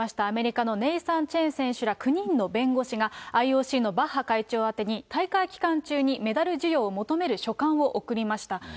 アメリカのネイサン・チェン選手ら９人の弁護士がＩＯＣのバッハ会長宛てに、大会期間中にメダル授与を求める書簡を送りました。